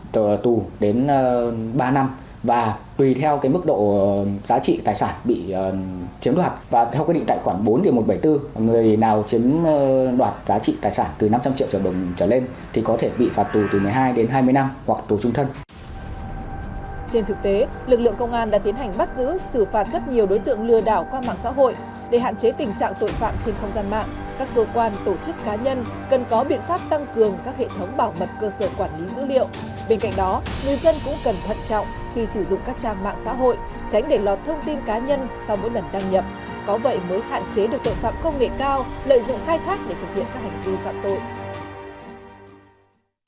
có vậy mới hạn chế được tội phạm công nghệ cao lợi dụng khai thác để thực hiện các hành vi phạm tội